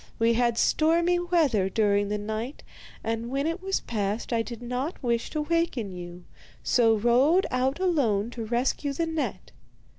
We had stormy weather during the night, and when it was past I did not wish to waken you, so rowed out alone to rescue the net.